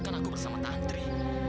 bagaimana aku bersama tantri